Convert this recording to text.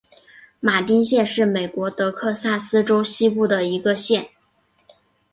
马丁县是美国德克萨斯州西部的一个县。